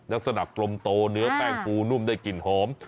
ลักษณะกลมโตเนื้อแป้งฟูนุ่มได้กลิ่นหอม